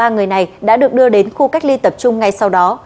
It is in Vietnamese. ba người này đã được đưa đến khu cách ly tập trung ngay sau đó